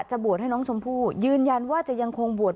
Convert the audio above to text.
บวชให้น้องชมพู่ยืนยันว่าจะยังคงบวช